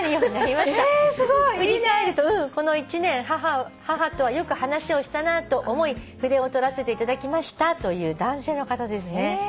「振り返るとこの１年母とはよく話をしたなと思い筆を執らせていただきました」という男性の方ですね。